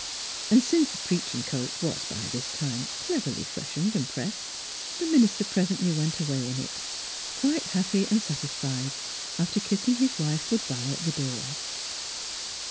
And since the preaching coat was by this time cleverly freshened and pressed, the minister pres ently went away in it, quite happy and satisfied, after kissing his wife good bye at the door.